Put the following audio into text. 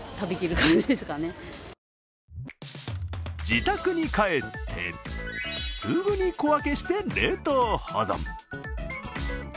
自宅に帰って、すぐに小分けして冷凍保存。